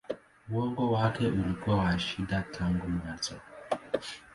Uongozi wake ulikuwa wa shida tangu mwanzo.